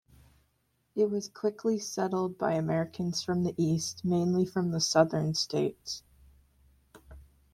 It was quickly settled by Americans from the east, mainly from the Southern states.